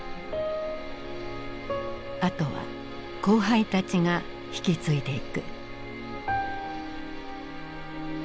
あとは後輩たちが引き継いでいく。